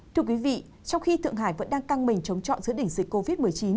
trong khi thượng hải vẫn đang căng mình chống chọn giữa đỉnh dịch covid một mươi chín